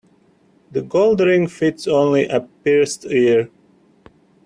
The gold ring fits only a pierced ear.